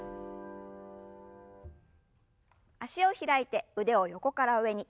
脚を開いて腕を横から上に。